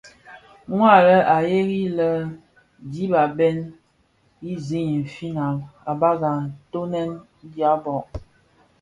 Mua a lè a gheri lè dhib a bhen i zi infin i bagha ntoňèn dhyaba.